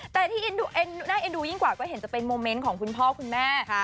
แต่ที่น่าเอ็นดูยิ่งกว่าก็เห็นจะเป็นโมเมนต์ของคุณพ่อคุณแม่